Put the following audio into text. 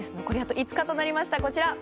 残り、あと５日となりました。